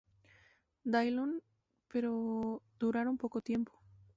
Dillon, pero duraron poco tiempo.